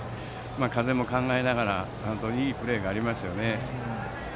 風も考えながら本当にいいプレーがありましたね。